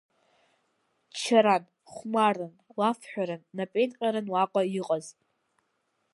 Ччаран, хәмарран, лафҳәаран, напеинҟьаран уаҟа иҟаз.